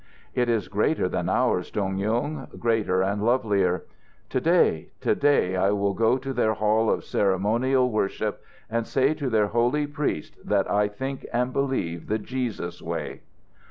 "It is greater than ours, Dong Yung; greater and lovelier. To day, to day, I will go to their hall of ceremonial worship and say to their holy priest that I think and believe the Jesus way."